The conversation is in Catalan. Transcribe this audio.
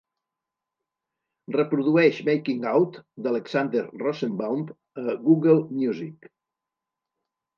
Reprodueix Making Out d'Alexander Rosenbaum a Google Music.